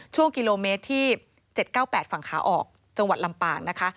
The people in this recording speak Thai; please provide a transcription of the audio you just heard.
ช่วงกิโลเมตรที่๗๙๘ฝั่งขาออกจังหวัดลำปางนะคะ